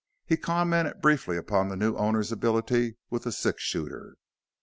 He commented briefly upon the new owner's ability with the six shooter.